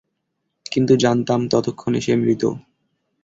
কিন্তু জানতাম, ততক্ষণে সে মৃত।